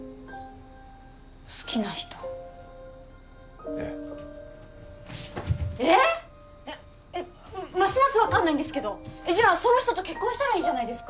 好きな人えええっ！？えっますます分かんないんですけどじゃあその人と結婚したらいいじゃないですか